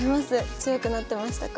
強くなってましたか？